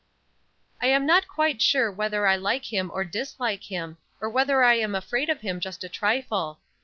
"I am not quite sure whether I like him or dislike him, or whether I am afraid of him just a trifle."